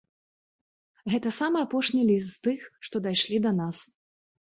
Гэта самы апошні ліст, з тых, што дайшлі да нас.